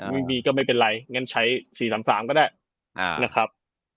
ไม่มีก็ไม่เป็นไรงั้นใช้๔๓๓ก็ได้นะครับ